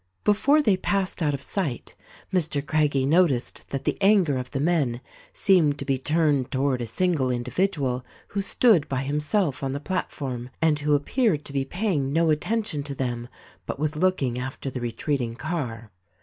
Before they passed out of sight Mr. Craggie noticed that the anger of the men seemed to be turned toward a single individual who stood by himself on the platform, and who appeared to be paying no attention to them, but was looking after the retreating car.